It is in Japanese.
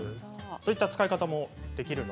そういった使い方もできます。